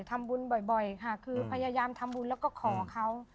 ทำบุญบ่อยค่ะคือพยายามทำบุญแล้วก็ขอเขา